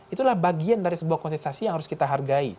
itulah bagian dari sebuah konsentrasi yang harus kita hargai